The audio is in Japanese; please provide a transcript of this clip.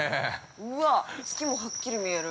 ◆うわっ、月もはっきり見える。